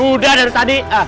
sudah dari tadi